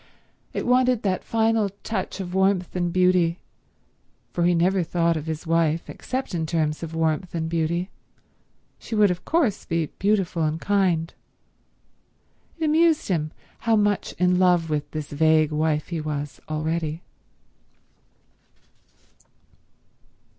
It wanted that final touch of warmth and beauty, for he never thought of his wife except in terms of warmth and beauty—she would of course be beautiful and kind. It amused him how much in love with this vague wife he was already.